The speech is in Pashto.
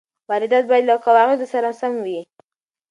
واردات باید له قواعدو سره سم وي.